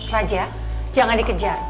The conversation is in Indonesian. raja jangan dikejar